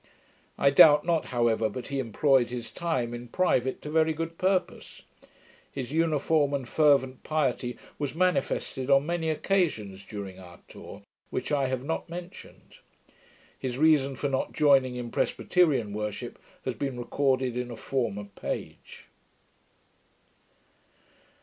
I doubt not, however, but he employed his time in private to very good purpose. His uniform and fervent piety was manifested on many occasions during our tour, which I have not mentioned. His reason for not joining in Presbyterian worship has been recorded in a former page.